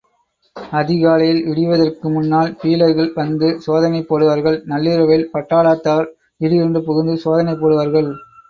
அதிகாலையில் விடிவதற்கு முன்னால் பீலர்கள் வந்து சோதனை போடுவார்கள் நள்ளிரவில் பட்டளாத்தார் திடீரென்று புகுந்து சோதனை போடுவார்கள்.